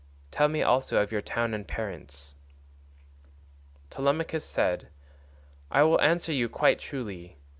Tell me also of your town and parents." Telemachus said, "I will answer you quite truly.